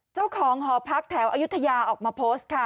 เจ้าของหอพักแถวอายุทยาออกมาโพสต์ค่ะ